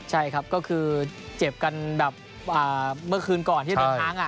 ใช่ครับก็คือเจ็บกันแบบเมื่อคืนก่อนที่ได้ค้าง